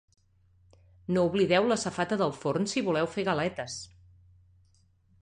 No oblideu la safata del forn si voleu fer galetes